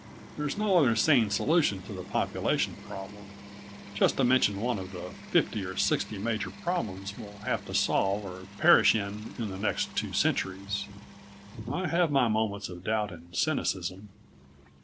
There's no other sane solution to the population problem, just to mention one of the fifty or sixty major problems we'll have to solve or perish in in the next two centuries. I have my moments of doubt and cynicism....